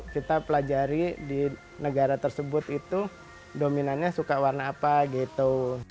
kita pelajari di negara tersebut itu dominannya suka warna apa gitu